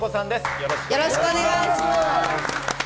よろしくお願いします。